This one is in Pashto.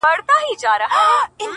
دا عجیب منظرکسي ده؛ وېره نه لري امامه؛